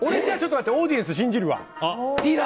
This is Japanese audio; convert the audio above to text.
俺、オーディエンス信じるわ。